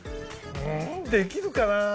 んできるかなあ？